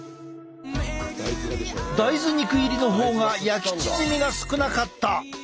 大豆肉入りの方が焼き縮みが少なかった。